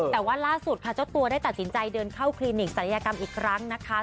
แต่ว่าล่าสุดค่ะเจ้าตัวได้ตัดสินใจเดินเข้าคลินิกศัลยกรรมอีกครั้งนะคะ